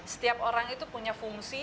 setiap orang itu punya fungsi